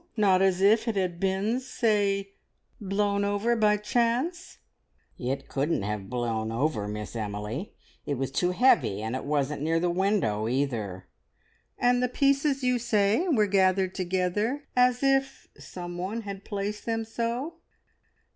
Not as if it had been, say, blown over by any chance?" "It couldn't have blown over, Miss Emily! It was too heavy. And it wasn't near the window, either." "And the pieces, you say, were gathered together, as if someone had placed them so?